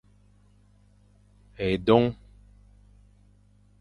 Edong.